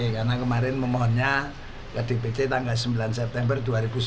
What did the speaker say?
karena kemarin memohonnya ke dpt tanggal sembilan september dua ribu sembilan belas